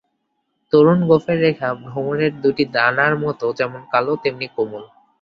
তরুণ গোঁফের রেখা ভ্রমরের দুটি ডানার মতো, যেমন কালো, তেমনি কোমল।